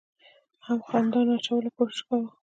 هم د خنډانو اچولو کوشش کوو،